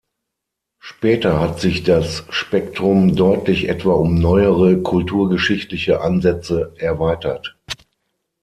Später hat sich das Spektrum deutlich etwa um neuere kulturgeschichtliche Ansätze erweitert.